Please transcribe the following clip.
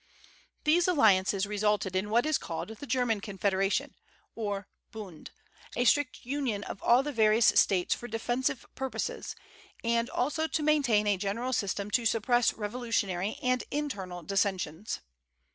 These alliances resulted in what is called the German Confederation, or Bund, a strict union of all the various States for defensive purposes, and also to maintain a general system to suppress revolutionary and internal dissensions.